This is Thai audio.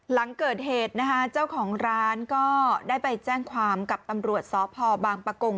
หลังเกิดเหตุนะคะเจ้าของร้านก็ได้ไปแจ้งความกับตำรวจสพบางปะกง